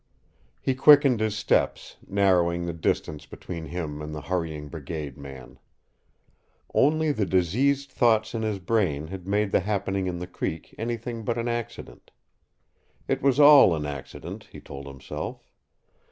He quickened his steps, narrowing the distance between him and the hurrying brigade man. Only the diseased thoughts in his brain had made the happening in the creek anything but an accident. It was all an accident, he told himself.